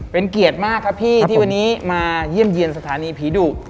เป็นเกียรติมากครับพี่ที่วันนี้มาเยี่ยมเยี่ยมสถานีผีดุ